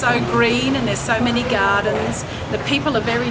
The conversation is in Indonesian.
orang orang sangat lembut dan baik dan itu sangat menarik